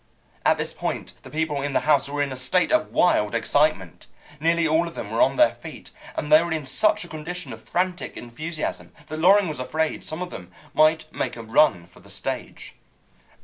At this point the people in the house were in a state of wild excitement. Nearly all of them were on their feet, and they were in such a condition of frantic enthusiasm that Loring was afraid some of them might make a run for the stage.